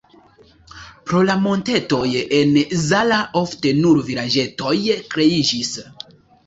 Pro la montetoj en Zala ofte nur vilaĝetoj kreiĝis.